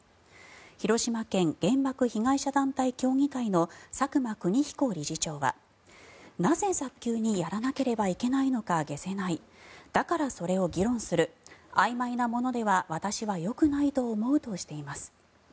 広島県原爆被害者団体協議会の佐久間邦彦理事長はなぜ早急にやらなければいけないのか解せないだから、それを議論するあいまいなものでは私はよくないと思うとしています。